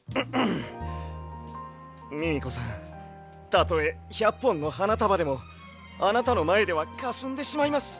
たとえ１００ぽんのはなたばでもあなたのまえではかすんでしまいます。